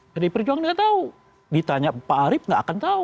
bd perjuangan tidak tahu ditanya pak arief tidak akan tahu